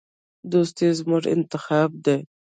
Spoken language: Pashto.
دوستي زموږ انتخاب دی.